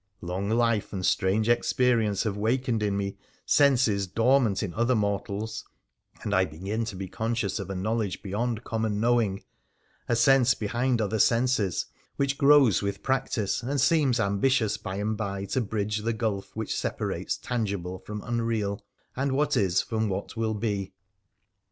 Long life and strange experience have wakened in me senses dormant in other mortals, and I begin to be conscious of a knowledge beyond common knowing, a sense behind other senses, which grows with practice, and seems ambitious by and bye to bridge the gulf which separates tangible from unreal, and what is from what will be.